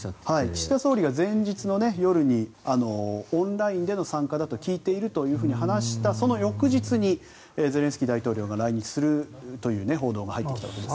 岸田総理は前日の夜にオンラインでの参加だと聞いていると話したその翌日にゼレンスキー大統領が来日するという報道が入ってきました。